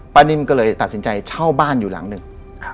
นิ่มก็เลยตัดสินใจเช่าบ้านอยู่หลังหนึ่ง